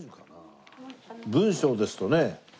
文章ですとね